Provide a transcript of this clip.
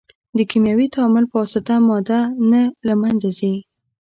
د کیمیاوي تعامل په واسطه ماده نه له منځه ځي.